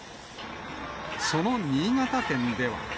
その新潟県では。